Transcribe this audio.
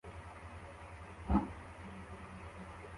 Umugabo wambaye ishati irambuye areba inyanja